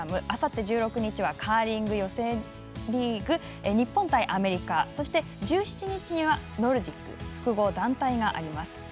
あさって１６日はカーリング予選リーグ日本対アメリカそして、１７日にはノルディック複合団体があります。